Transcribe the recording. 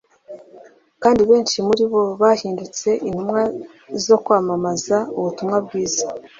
kandi benshi muri bo bahindutse intumwa zo kwamamaza ubutumwa bwiza